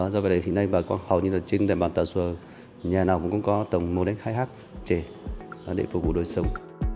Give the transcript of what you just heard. do vậy thì hiện nay bà con hầu như là trên đại bản tà xùa nhà nào cũng có tầm một hai hát chè để phục vụ đôi sông